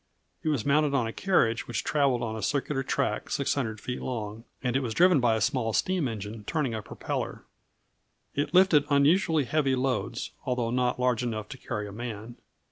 It was mounted on a carriage which travelled on a circular track 600 feet long, and it was driven by a small steam engine turning a propeller. It lifted unusually heavy loads, although not large enough to carry a man.